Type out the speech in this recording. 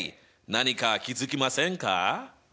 何か気付きませんか？